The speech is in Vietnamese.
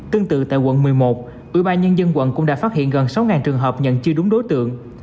tương tự tại quận một mươi một ủy ban nhân dân quận cũng đã phát hiện gần sáu trường hợp nhận chưa đúng đối tượng